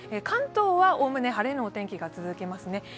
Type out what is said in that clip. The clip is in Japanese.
関東はおおむね晴れのお天気が続きますね。